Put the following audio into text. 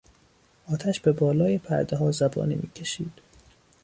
آتش به بالای پردهها زبانه میکشید.